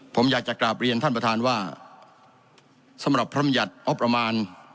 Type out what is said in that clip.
ผมอยากจะกราบเรียนท่านประธานว่าสำหรับพรรมยัติงบประมาณ